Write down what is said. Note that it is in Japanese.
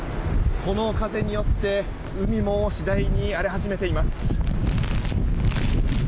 この風によって海も次第に荒れ始めています。